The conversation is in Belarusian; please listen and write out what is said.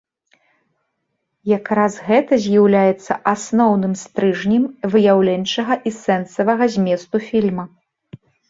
Якраз гэта з'яўляецца асноўным стрыжнем выяўленчага і сэнсавага зместу фільма.